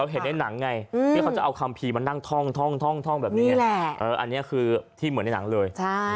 เห็นในหนังไงที่เขาจะเอาคัมภีร์มานั่งท่องแบบนี้แหละอันนี้คือที่เหมือนในหนังเลย